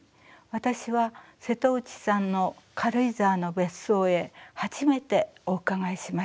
私は瀬戸内さんの軽井沢の別荘へ初めてお伺いしました。